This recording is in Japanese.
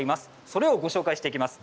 それを、ご紹介していきます。